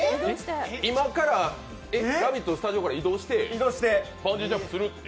今から、「ラヴィット！」のスタジオから移動してバンジージャンプするって？